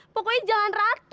pokoknya jalan ratu titik